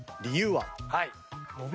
はい。